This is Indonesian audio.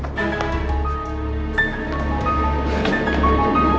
terima kasih pak